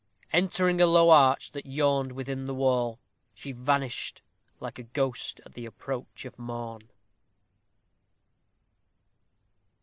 Entering a low arch that yawned within the wall, she vanished like a ghost at the approach of morn.